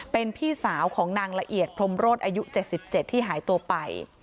เป็นพี่สาวของนางละเอียดพรมโรธอายุเจ็ดสิบเจ็ดที่หายตัวไป